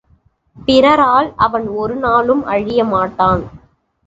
பிறரால் அவன் ஒரு நாளும் அழியமாட்டான்.